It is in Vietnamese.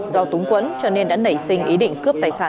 do túng quẫn cho nên đã nảy sinh ý định cướp tài sản